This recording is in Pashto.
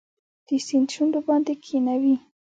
د سیند شونډو باندې کښېښوي